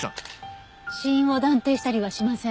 死因を断定したりはしません。